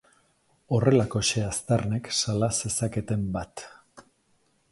Horrelakoxe aztarnek sala zezaketen bat.